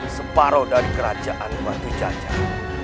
separoh dari kerajaan batu jajan